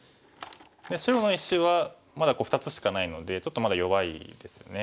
白の石はまだ２つしかないのでちょっとまだ弱いですよね。